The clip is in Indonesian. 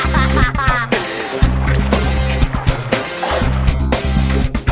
makhluk itu terbit